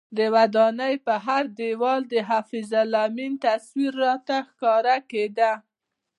د ودانۍ پر هر دیوال د حفیظ الله امین تصویر راته ښکاره کېده.